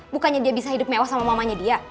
bukannya dia bisa hidup mewah sama mamanya dia